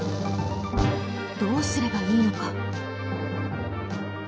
どうすればいいのか。